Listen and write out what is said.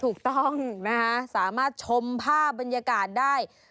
ถูกต้องนะคะสามารถชมภาพบรรยากาศได้